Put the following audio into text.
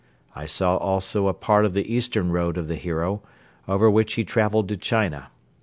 I saw also a part of the eastern road of the hero, over which he traveled to China.